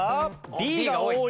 Ｂが多い。